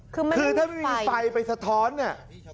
คือถ้าไม่มีไฟไปสะท้อนเนี่ย